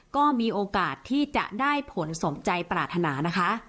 ก็มีโอกาสที่จะได้ผลสมใจปรารถนานะคะ